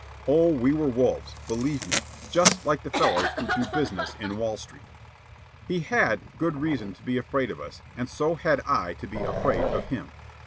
Oh, we were wolves, believe me just like the fellows who do business in Wall Street. He had good reason to be afraid of us, and so had I to be afraid of him.